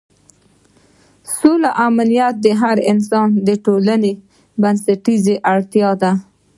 سوله او امنیت د هر انسان او ټولنې بنسټیزه اړتیا ده.